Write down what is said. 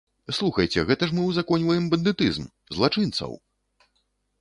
Слухайце, гэта ж мы ўзаконьваем бандытызм, злачынцаў!